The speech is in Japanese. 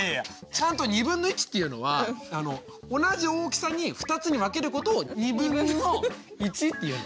ちゃんとっていうのは同じ大きさに２つに分けることをっていうの。